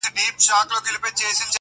پېړۍ په ویښه د کوډګرو غومبر وزنګول-